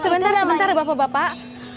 sebentar sebentar bapak bapak